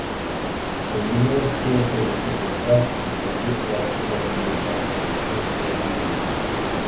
The university also received a 'Best in the Midwest' designation from the Princeton Review.